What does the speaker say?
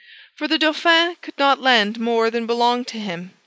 For the Dauphin could not lend more than belonged to him.